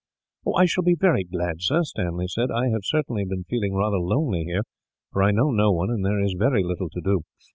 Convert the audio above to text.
"I shall be very glad, sir," Stanley said. "I have certainly been feeling rather lonely here; for I know no one, and there is very little to do.